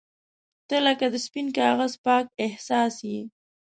• ته لکه د سپین کاغذ پاک احساس یې.